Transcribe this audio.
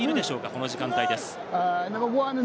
この時間帯です。